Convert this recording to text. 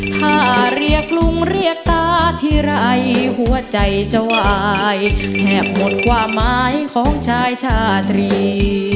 ถ้าเรียกลุงเรียกตาทีไรหัวใจจะวายแทบหมดความหมายของชายชาตรี